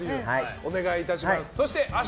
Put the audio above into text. お願いいたします。